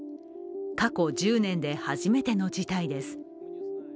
過去１０年で初めての事態です。